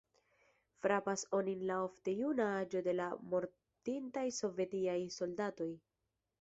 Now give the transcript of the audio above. Frapas onin la ofte juna aĝo de la mortintaj sovetiaj soldatoj.